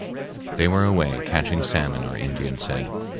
They were away catching salmon, our Indians said.